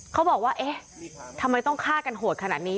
เขาบอกว่าเอ๊ะทำไมต้องฆ่ากันโหดขนาดนี้